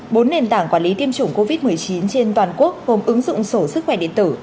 bốn nền tảng quản lý tiêm chủng covid một mươi chín trên toàn quốc gồm ứng dụng sổ sức khỏe điện tử